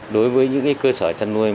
đối với những cơ sở chăn nuôi